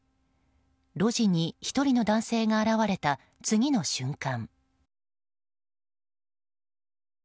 路地に１人の男性が現れた次の瞬間。